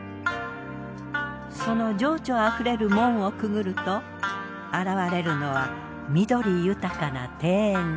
その情緒あふれる門をくぐると現れるのは緑豊かな庭園。